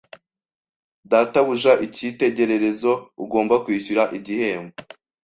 Databuja icyitegererezo! ugomba kwishyura igihembo